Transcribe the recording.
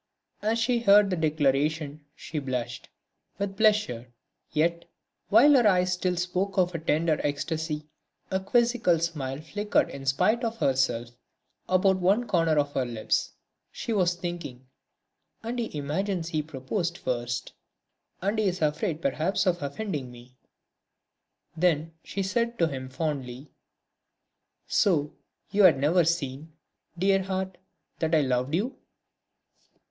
As she heard the declaration, she blushed, with pleasure. Yet, while her eyes still spoke of a tender ecstasy, a quizzical smile flickered in spite of herself about one corner of her lips. She was thinking: "And he imagines he proposed first!... and he is afraid perhaps of offending me!..." Then she said to him fondly: "So you had never seen, dear heart, that I loved you?"